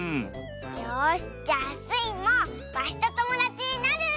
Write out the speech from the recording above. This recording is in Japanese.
よしじゃあスイもワシとともだちになる！